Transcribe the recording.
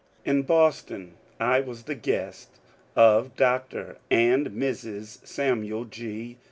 In Boston I was the guest of Dr. and Mrs. Samuel G.